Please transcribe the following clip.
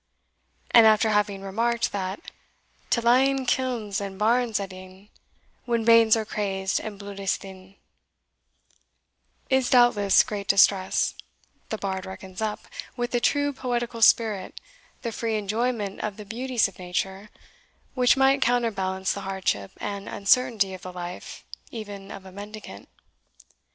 And after having remarked, that To lie in kilns and barns at e'en, When banes are crazed and blude is thin, Is doubtless great distress; the bard reckons up, with true poetical spirit, the free enjoyment of the beauties of nature, which might counterbalance the hardship and uncertainty of the life, even of a mendicant.